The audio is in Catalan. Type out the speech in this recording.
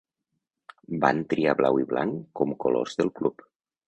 Van triar blau i blanc com colors del club.